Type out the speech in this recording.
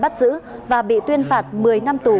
bắt giữ và bị tuyên phạt một mươi năm tù